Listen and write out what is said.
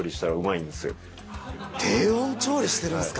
低温調理してるんですか？